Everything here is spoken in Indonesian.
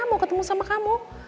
mau ketemu sama kamu